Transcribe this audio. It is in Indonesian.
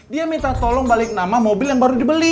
dia minta tolong balik nama mobil yang baru dibeli